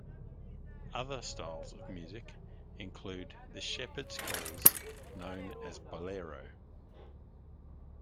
Other styles of music include the shepherd's calls known as ballero.